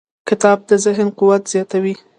کتاب د ذهن قوت زیاتوي.